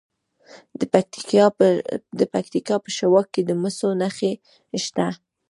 د پکتیا په شواک کې د مسو نښې شته.